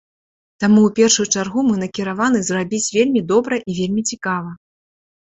Таму ў першую чаргу мы накіраваны зрабіць вельмі добра і вельмі цікава.